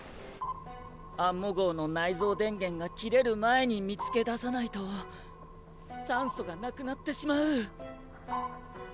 アンモ号の内蔵電源が切れる前に見つけ出さないと酸素がなくなってしまう。